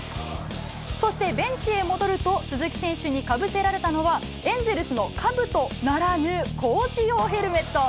そしてベンチへ戻ると、鈴木選手にかぶせられたのは、エンゼルスのかぶとならぬ工事用ヘルメット。